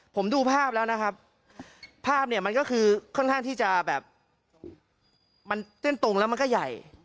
ผมดูภาพแล้วนะครับภาพเนี่ยมันก็คือค่อนข้างที่จะแบบมันเต้นตรงแล้วมันก็ใหญ่